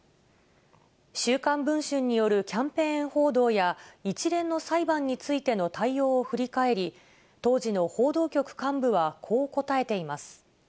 週刊文春によるキャンペーン報道や、一連の裁判についての対応を振り返り、当時の報道局幹部はこう答えています。